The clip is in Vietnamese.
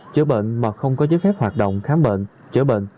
chữa bệnh mà không có giấy phép hoạt động khám bệnh chữa bệnh